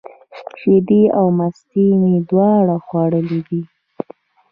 شیدې او مستې مي دواړي خوښي دي.